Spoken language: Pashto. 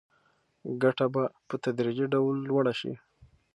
ګټه به په تدریجي ډول لوړه شي.